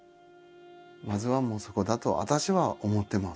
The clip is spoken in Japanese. まずはもうそこだと私は思っています。